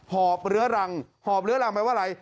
หอบเหลือรังหอบเหลือรังหมายว่าอะไร